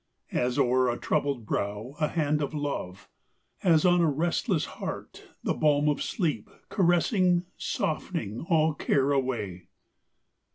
As o'er a troubled brow a hand of love: As on a restless heart the balm of sleep, Caressing softening all care away.